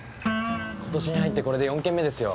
今年に入ってこれで４件目ですよ。